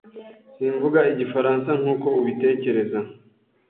Simvuga Igifaransa nkuko ubitekereza.